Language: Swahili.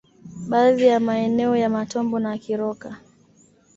Baadhi ya maeneo ya Matombo na Kiroka